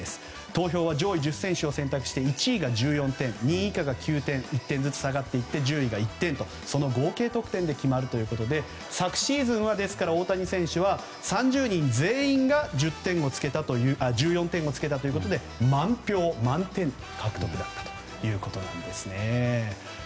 投票は上位１０選手を選択して１位は１４点、２位は９点で１点ずつ下がって順位が１点と合計得点で決まるということで昨シーズンは大谷選手は３０人全員が１４点をつけて満票獲得だったんですね。